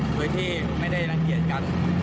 โดยที่ไม่ได้รังเกียจกัน